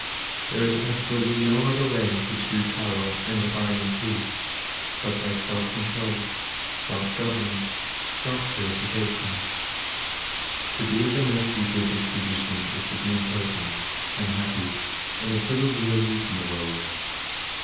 There is absolutely no other way to true power and abiding peace, but by self control, self government, self purification. To be at the mercy of your disposition is to be impotent, unhappy, and of little real use in the world.